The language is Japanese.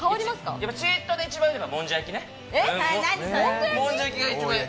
チートで一番いいのは、もんじゃ焼きね。